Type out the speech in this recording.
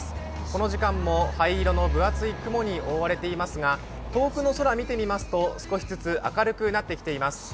この時間も灰色の分厚い雲に覆われていますが、遠くの空見てみますと、少しずつ明るくなってきています。